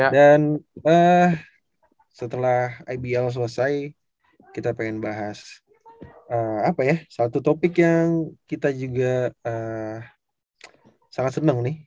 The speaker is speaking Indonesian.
dan setelah ibl selesai kita ingin bahas satu topik yang kita juga sangat senang nih